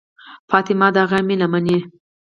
فاطمه د هغه مینه مني.